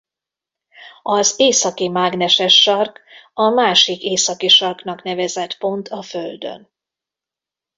Az Északi mágneses sark a másik Északi-sarknak nevezett pont a Földön.